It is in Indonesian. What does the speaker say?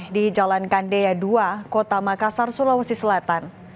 di jalan kandeya dua kota makassar sulawesi selatan